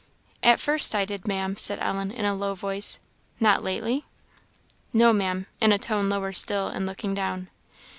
"At first I did, Maam," said Ellen, in a low voice. "Not lately!" "No, Maam;" in a lower tone still, and looking down.